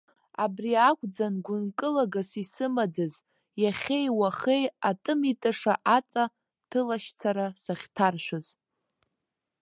Абри акәӡан гәынкылагас исымаӡаз, иахьеи-уахеи атымитыша аҵа ҭылашьцара сахьҭаршәыз.